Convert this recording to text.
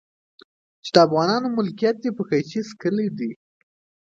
چې د افغانانو ملکيت دی په قيچي څکلي دي.